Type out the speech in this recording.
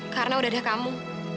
karena udah ada kamu